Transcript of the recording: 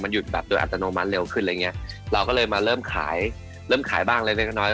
หยุดแบบโดยอัตโนมัติเร็วขึ้นอะไรอย่างเงี้ยเราก็เลยมาเริ่มขายเริ่มขายบ้างเล็กเล็กน้อย